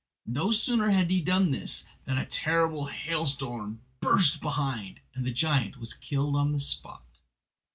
No sooner had he done this than a terrible hailstorm burst behind, and the giant was killed on the spot.